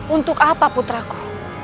untuk apa putraku